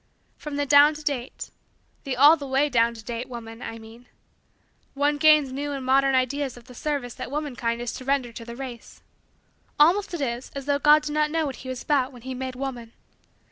From the down to date the all the way down to date woman, I mean one gains new and modern ideas of the service that womankind is to render to the race. Almost it is as though God did not know what he was about when he made woman.